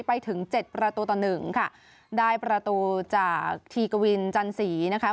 ไปถึงเจ็ดประตูต่อหนึ่งค่ะได้ประตูจากทีกวินจันสีนะคะ